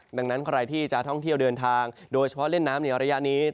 ดังนั้นใครที่จะท่องเที่ยวเดินทางโดยเฉพาะเล่นน้ำในระยะนี้